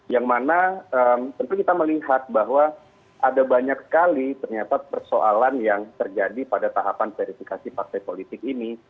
yang mana tentu kita melihat bahwa ada banyak sekali ternyata persoalan yang terjadi pada tahapan verifikasi partai politik ini